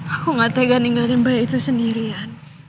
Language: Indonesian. aku gak tega ninggalin bayi itu sendirian